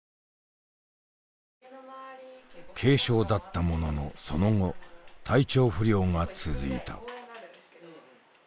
軽症だったもののその後体調不良が続いた。